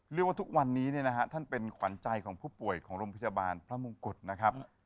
เรียกว่าทุกวันนี้เนี่ยนะฮะท่านเป็นขวัญใจของผู้ป่วยของโรงพยาบาลพระมงกุฎนะครับ